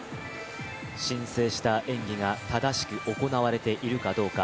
申請した演技が正しく行われているかどうか。